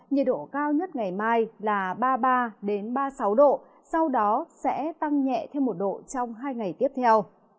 nhiệt độ cao nhất ngày mai là ba mươi ba ba mươi sáu độ sau đó sẽ tăng nhẹ thêm một độ trong hai ngày tiếp theo